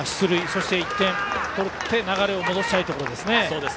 そして１点取って流れを戻したいところですね。